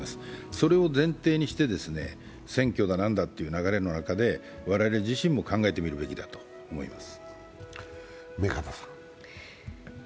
それを前提にして、選挙だ何だという流れの中で我々自身も考えてみるべきだと思います。